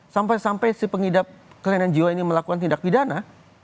sampai sampai si pengidap kelainan jiwa ini melakukan tindak pidana